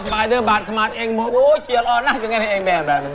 สวัสดีครับ